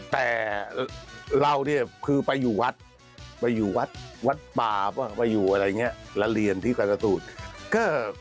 แต่เราเนี่ยคือไปอยู่วัดวัดป่าวัดอัลเรียนที่ความหินคุม